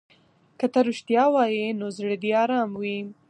که ته رښتیا ووایې نو زړه دې ارام وي.